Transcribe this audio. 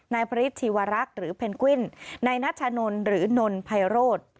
นายพลิตชีวรักษ์หรือเพนกวินนายนาฆนลหรือนนนไพโรธ